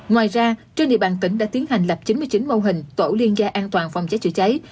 ngoài ra trên địa bàn tỉnh đã tiến hành lập chín mươi chín mô hình tổ liên gia an toàn phòng cháy chữa cháy